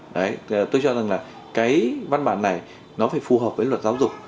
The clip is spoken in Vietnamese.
đấy tôi cho rằng là cái văn bản này nó phải phù hợp với luật giáo dục